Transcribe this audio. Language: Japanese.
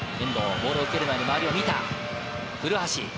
ボールを受けるまでに周りを見た古橋。